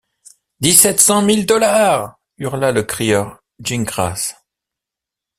Dix-sept cent mille dollars! hurla le crieur Gingrass.